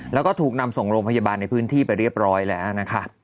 แล้วก็ถูกนำส่งโรงพยาบาลในพื้นที่ไปเรียบร้อยแล้วนะคะ